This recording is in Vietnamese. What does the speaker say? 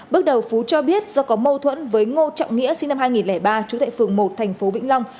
bước đầu phú cho biết do có mâu thuẫn với ngô trọng nghĩa sinh năm hai nghìn ba trú tại phường một thành phố vĩnh long